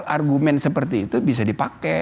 argumen seperti itu bisa dipakai